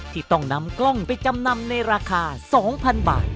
ที่ต้องนำกล้องไปจำนำในราคา๒๐๐๐บาท